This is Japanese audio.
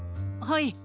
はい。